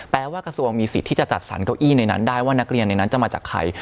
ว่ากระทรวงมีสิทธิ์ที่จะจัดสรรเก้าอี้ในนั้นได้ว่านักเรียนในนั้นจะมาจากใคร